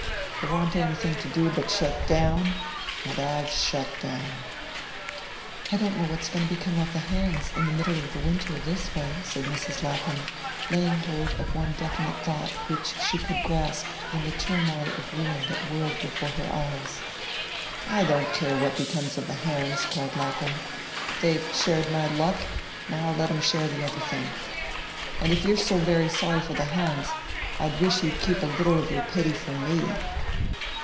There wa'n't anything to do but to shut DOWN, and I've SHUT down." "I don't know what's going to become of the hands in the middle of the winter, this way," said Mrs. Lapham, laying hold of one definite thought which she could grasp in the turmoil of ruin that whirled before her eyes. "I don't care what becomes of the hands," cried Lapham. "They've shared my luck; now let 'em share the other thing. And if you're so very sorry for the hands, I wish you'd keep a little of your pity for ME.